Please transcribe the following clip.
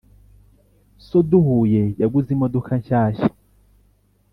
So duhuye yaguze imodoka shyashsya